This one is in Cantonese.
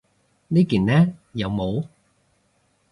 呢件呢？有帽